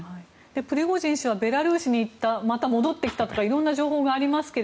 プリゴジン氏はベラルーシに行ったまだ戻ってきたとか色んな情報がありますが